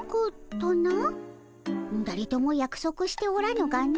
だれともやくそくしておらぬがの。